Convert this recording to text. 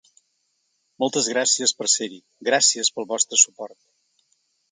Moltes gràcies per ser-hi, gràcies pel vostre suport!